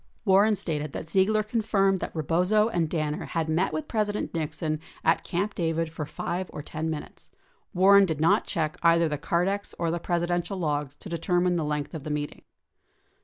44 Warren stated that Ziegler confirmed that Rebozo and Danner had met with President Nixon at Camp David for 5 or 10 minutes. War ren did not check either the Cardex or the Presidential logs to deter mine the length of the meeting.